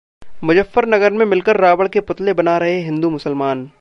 मुजफ्फरनगर में मिलकर रावण के पुतले बना रहे हिंदू-मुसलमान